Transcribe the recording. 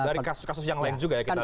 dari kasus kasus yang lain juga ya kita